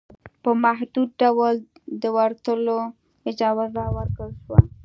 په محدود ډول دورتلو اجازه ورکړل شوه